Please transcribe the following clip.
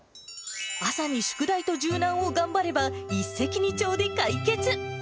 朝に宿題と柔軟を頑張れば一石二鳥で解決。